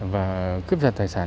và cướp dập tài sản